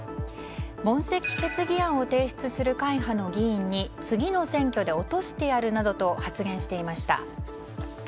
問責決議案を提出する会派の議員に次の選挙で落としてやるなどと発言していました。